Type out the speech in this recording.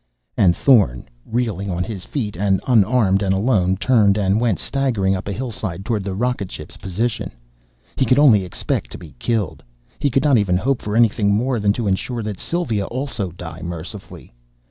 And Thorn, reeling on his feet and unarmed and alone, turned and went staggering up a hillside toward the rocket ship's position. He could only expect to be killed. He could not even hope for anything more than to ensure that Sylva, also, die mercifully.